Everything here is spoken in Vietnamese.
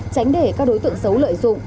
tránh để các đối tượng xấu lợi dụng